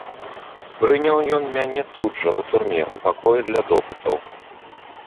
Прыняў ён мяне тут жа, у турме, у пакоі для допытаў.